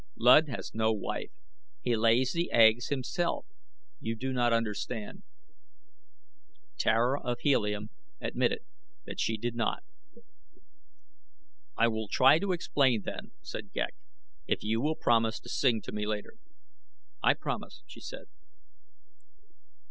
"Luud has no wife. He lays the eggs himself. You do not understand." Tara of Helium admitted that she did not. "I will try to explain, then," said Ghek, "if you will promise to sing to me later." "I promise," she said.